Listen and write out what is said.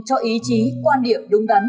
cho ý chí quan điểm đúng đắn